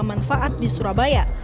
kemenfaat di surabaya